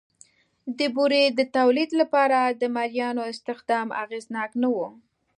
د بورې د تولید لپاره د مریانو استخدام اغېزناک نه و